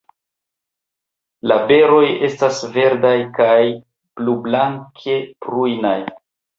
La beroj estas verdaj kaj blublanke prujnaj.